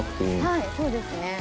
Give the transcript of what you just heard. はいそうですね。